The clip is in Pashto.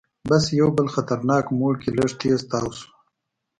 بس یو بل خطرناک موړ کې لږ تیز تاو شو.